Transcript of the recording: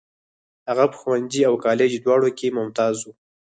هغه په ښوونځي او کالج دواړو کې ممتاز و.